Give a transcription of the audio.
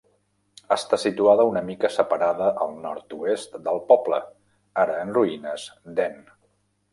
Està situada una mica separada al nord-oest del poble, ara en ruïnes, d'En.